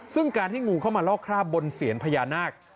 ซึ่งการที่งูเข้ามาลอกคราบบนเสียนพญานาค